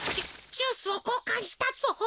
ジュースをこうかんしたぞ。